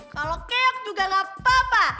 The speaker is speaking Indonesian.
kalau keyok juga gak papa